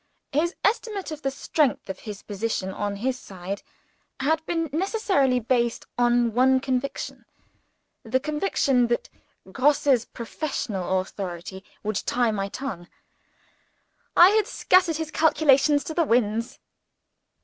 His estimate of the strength of the position on his side, had been necessarily based on one conviction the conviction that Grosse's professional authority would tie my tongue. I had scattered his calculations to the winds.